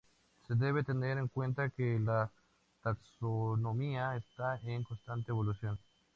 Se debe tener en cuenta que la taxonomía está en constante evolución.